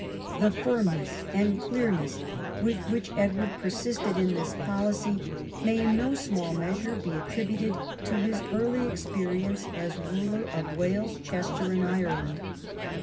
The firmness and clear ness with which Edward persisted in this policy may in no small measure be attributed to his early experience as ruler of Wales, Chester, and Ireland.